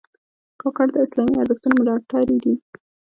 کاکړ د اسلامي ارزښتونو ملاتړي دي.